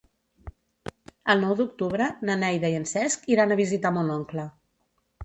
El nou d'octubre na Neida i en Cesc iran a visitar mon oncle.